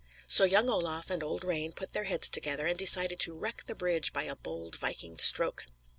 So young Olaf and old Rane put their heads together, and decided to wreck the bridge by a bold viking stroke.